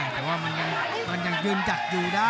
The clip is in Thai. แต่ว่ามันยังยืนจัดอยู่ได้